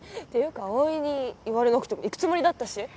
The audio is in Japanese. っていうか葵に言われなくても行くつもりだったし。